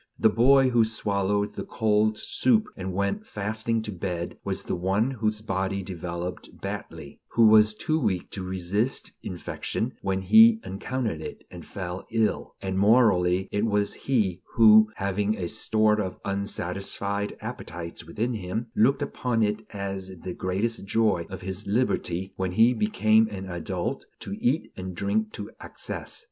The boy who swallowed the cold soup and went fasting to bed was the one whose body developed badly, who was too weak to resist infection when he encountered it, and fell ill; and morally it was he who, having a store of unsatisfied appetites within him, looked upon it as the greatest joy of his liberty, when he became an adult, to eat and drink to excess.